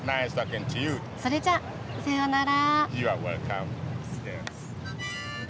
それじゃあさようなら。